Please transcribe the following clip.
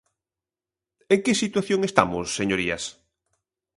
¿En que situación estamos, señorías?